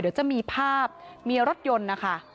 เดี๋ยวจะมีภาพมีรถยนต์นะคะ